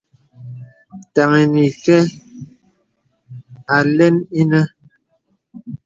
Taŋi nī kǎ ālɛn anə̄.